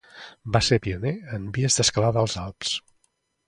Va ser pioner en vies d'escalada als Alps.